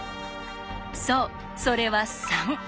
そうそれは「３」。